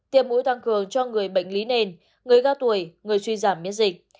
tiêm mũi tăng cường cho người bệnh lý nền người cao tuổi người suy giảm miễn dịch